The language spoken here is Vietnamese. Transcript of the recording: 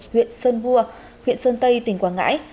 huyện sơn vua huyện sơn tây tỉnh quảng ngãi